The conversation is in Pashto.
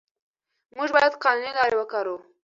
موږ باید قانوني لارې وکاروو.